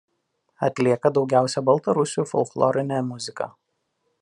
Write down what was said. Atlieka daugiausia baltarusių folklorinę muziką.